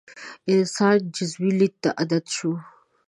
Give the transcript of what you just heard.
انسان جزوي لید ته عادت شو.